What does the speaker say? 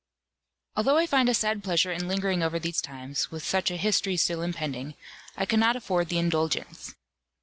Although I find a sad pleasure in lingering over these times, with such a history still impending, I cannot afford the indulgence.